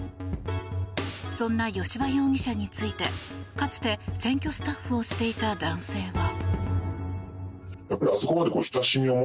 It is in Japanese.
そんな吉羽容疑者についてかつて選挙スタッフをしていた男性は。